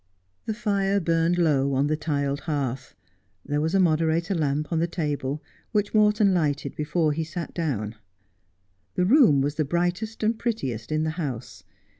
The fire burned low on the tiled hearth. There was a mode rator lamp on the table, which Morton lighted before he sat down. The room was the brightest and prettiest in the house.